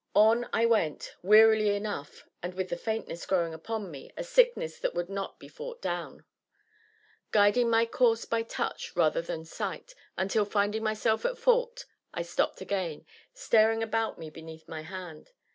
On I went (wearily enough, and with the faintness growing upon me, a sickness that would not be fought down), guiding my course by touch rather than sight, until, finding myself at fault, I stopped again, staring about me beneath my hand.